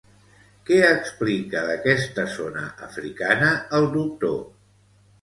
Què explica d'aquesta zona africana el doctor.